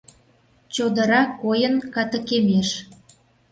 Чодыра койын катыкемеш.